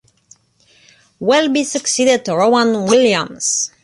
Welby succeeded Rowan Williams.